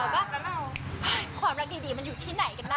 ว่าแล้วความรักดีมันอยู่ที่ไหนกันล่ะ